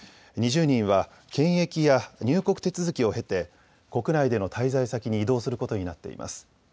２０人は検疫や入国手続きを経て国内での滞在先に移動することになっています。